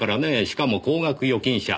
しかも高額預金者。